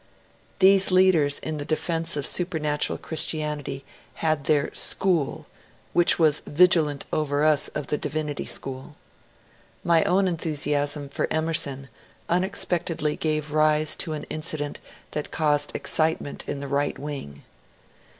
These leaders in the defence of supernatural Christianity had their " school," which was vigilant over us of the Divinity SchooL My own enthusiasm for Emerson unexpectedly gave rise to an incident that caused excitement in the right wing.